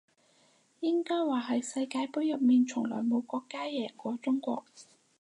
應該話係世界盃入面從來冇國家贏過中國